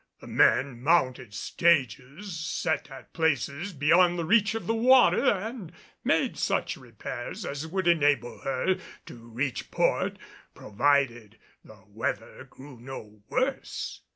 The men mounted stages set at places beyond the reach of the water and made such repairs as would enable her to reach port, provided the weather grew no worse.